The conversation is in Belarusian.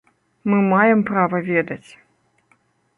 Мы маем права ведаць.